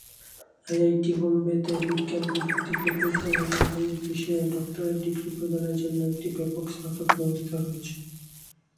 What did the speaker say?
IIT বোম্বেতে বিজ্ঞান, প্রযুক্তি, প্রকৌশল এবং গণিত বিষয়ে ডক্টরেট ডিগ্রী প্রদানের জন্য একটি ব্যাপক স্নাতক ব্যবস্থা রয়েছে।